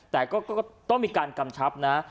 แต่ก็ต้องมีการกำชับนะ